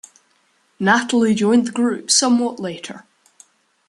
Nathalie joined the group somewhat later.